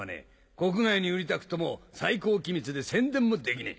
国外に売りたくとも最高機密で宣伝もできねえ。